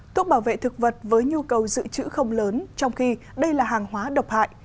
thuốc bảo vệ thực vật với nhu cầu dự trữ không lớn trong khi đây là hàng hóa độc hại